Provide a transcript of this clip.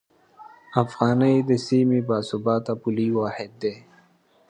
افغانۍ د سیمې باثباته پولي واحد و.